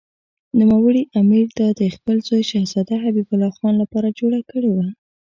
نوموړي امیر دا د خپل زوی شهزاده حبیب الله خان لپاره جوړه کړې وه.